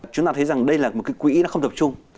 chúng ta thấy rằng đây là một cái quỹ nó không tập trung